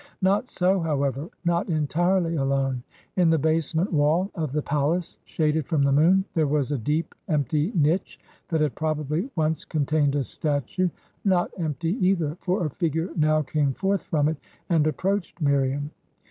Not so, however; not entirely alone! In the basement wall of the palace, shaded from the moon, there was a deep, empty niche, that had probably once contained a statue; not empty, either; for a figure now came forth from it and approached Miriam.